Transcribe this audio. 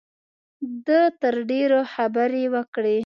ده تر ډېرو خبرې وکړې.